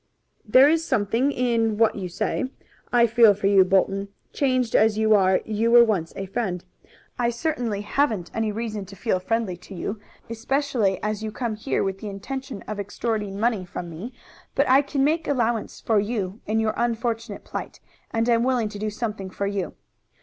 "There is something in what you say. I feel for you, Bolton. Changed as you are, you were once a friend. I certainly haven't any reason to feel friendly to you, especially as you came here with the intention of extorting money from me. But I can make allowance for you in your unfortunate plight, and am willing to do something for you.